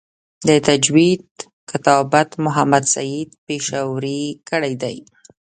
د تجوید کتابت محمد سعید پشاوری کړی دی.